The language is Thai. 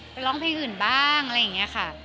ร้องเพลงอื่นบ้างอะไรอย่างนี้ค่ะ